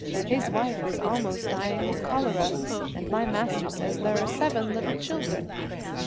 His wife is almost dying with cholera, and my master says there are seven little children."